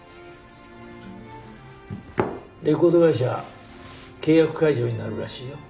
レコード会社契約解除になるらしいよ。